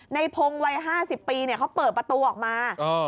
ในพงศ์วัย๕๐ปีเขาเปิดประตูออกมา